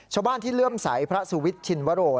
ชาวบ้านที่เลื่อมใสพระสุวิทย์ชินวโร